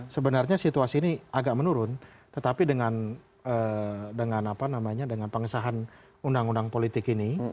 sebenarnya situasi ini agak menurun tetapi dengan pengesahan undang undang politik ini